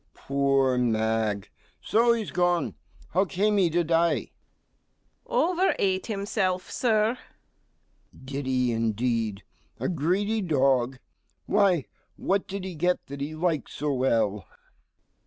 MR. G. Poor mag! so he's gone. How came he to die? STEWARD. Over ate himself, Sir. MR. G. Did he indeed? a greedy dog. Why, what did he get that he liked so well?